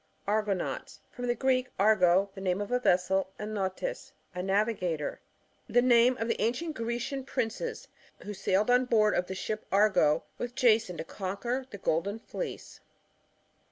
Argonauts. — From the Greek, argo^ the name of a vessel, and nautes^ a navigator. The name of the ancient Grecian princes who sailed on board of the ship Argo with Jason, to conquer the golden fleece.